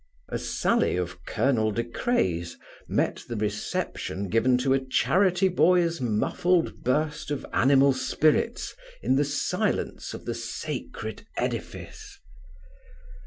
A sally of Colonel De Craye's met the reception given to a charity boy's muffled burst of animal spirits in the silence of the sacred edifice.